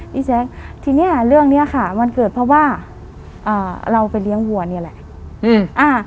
พี่แจ๊คทีนี้เรื่องนี้ค่ะมันเกิดเพราะว่าเราไปเลี้ยงวัวนี่แหละ